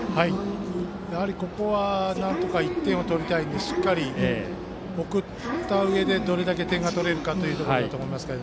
やはり、ここはなんとか１点を取りたいところなのでしっかりと送ったうえでどれだけ点が取れるかだと思います。